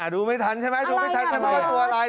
ดูไม่ทันใช่ไหมดูไม่ทันใช่ไหมว่าตัวอะไร